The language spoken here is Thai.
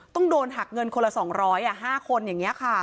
ต้องโดนหักเงินคนละ๒๐๕คนอย่างนี้ค่ะ